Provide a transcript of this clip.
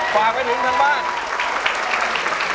ฝากไปถึงทางบ้าน